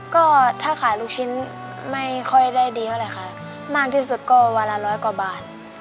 ก็ถ้าขายลูกชิ้นไม่ค่อยได้ดีเท่าไหร่ค่ะมากที่สุดก็วันละร้อยกว่าบาท